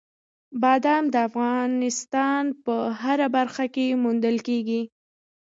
بادام د افغانستان په هره برخه کې موندل کېږي.